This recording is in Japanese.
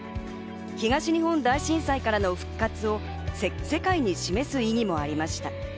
東日本大震災からの復活を世界に示す意義もありました。